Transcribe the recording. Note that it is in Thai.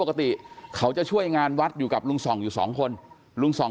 ปกติเขาจะช่วยงานวัดอยู่กับลุงส่องอยู่สองคนลุงส่อง